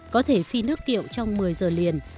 có thể phi nước kiệu trong một mươi giờ liền